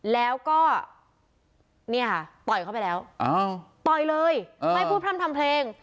แล้วก็เนี่ยค่ะต่อยเข้าไปแล้วต่อยเลยไม่พูดพร่ำทำเพลง